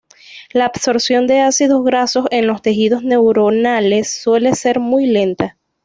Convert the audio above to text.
La absorción de ácidos grasos en los tejidos neuronales suele ser muy lenta.